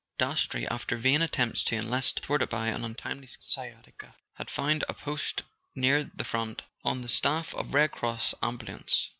Dastrey, after vain attempts to enlist, thwarted by an untimely sciatica, had found a post near the front, on the staff of a Red Cross Ambulance.